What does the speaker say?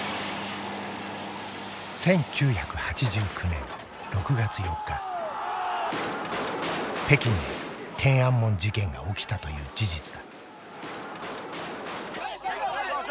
１９８９年６月４日北京で天安門事件が起きたという事実だ。